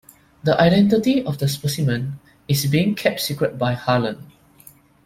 The identity of the specimen is being kept secret by Harlan.